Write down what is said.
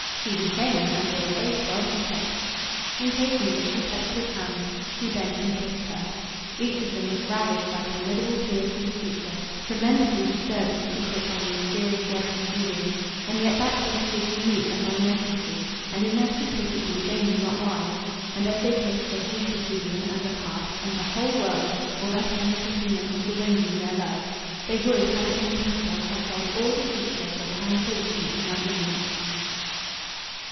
She was "vain," and they were both well content. In taking it she touched his hand. He bent and kissed her. Each of them was ravaged by formidable fears for the future, tremendously disturbed in secret by the mysterious word from Julian; and yet that kiss stood unique among their kisses, and in their simplicity they knew not why. And as they kissed they hated Julian, and the past, and the whole world, for thus coming between them and deranging their love. They would, had it been possible, have sold all the future for tranquillity in that moment.